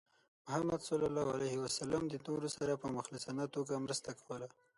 محمد صلى الله عليه وسلم د نورو سره په مخلصانه توګه مرسته کوله.